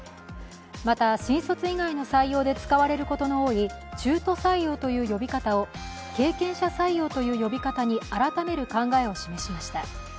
また、新卒以外の採用で使われることの多い中途採用という呼び方を経験者採用という呼び方に改める考えを示しました。